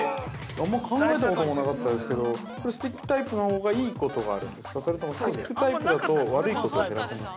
◆あんまり考えたこともなかったですけど、スティックタイプのほうがいいことがあるんですか、それともスティックタイプだと悪いことを減らせます？